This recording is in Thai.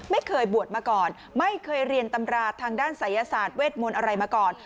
ไม่เคยบวชมาก่อนไม่เคยเรียนตำราทางด้านศัยศาสตร์เวทมนต์อะไรมาก่อน